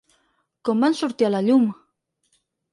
Com van sortir a la llum?